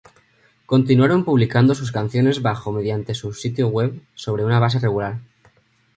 Continuaron publicando sus canciones bajo mediante su sitio web sobre una base regular.